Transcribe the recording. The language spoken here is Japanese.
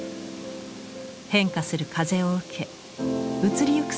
変化する風を受け移りゆく